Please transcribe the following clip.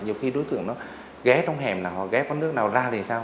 nhiều khi đối tượng nó ghé trong hẻm nào hoặc ghé qua nước nào ra thì sao